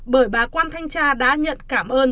bởi bà quan thanh tra đã nhận cảm ơn